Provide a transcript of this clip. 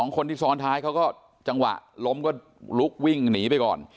คนที่ซ้อนท้ายเขาก็จังหวะล้มก็ลุกวิ่งหนีไปก่อน